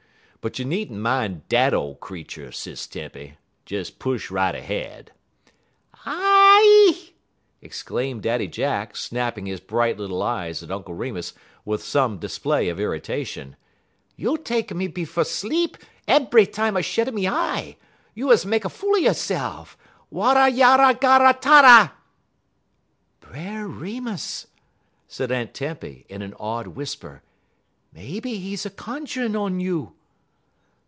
But you neenter min' dat ole creetur, Sis Tempy. Des push right ahead." "Ah h h e e!" exclaimed Daddy Jack, snapping his bright little eyes at Uncle Remus with some display of irritation; "you tek a me fer be sleep ebry tam I shed a me y eye, you is mek fool a you'se'f. Warrah yarrah garrah tarrah!" "Brer Remus!" said Aunt Tempy, in an awed whisper, "maybe he's a cunju'n un you."